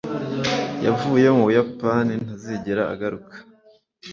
yavuye mu buyapani ntazigera agaruka